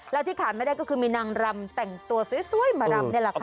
แล้วที่ขาดไม่ได้ก็คือมีนางรำแต่งตัวสวยมารำนี่แหละค่ะ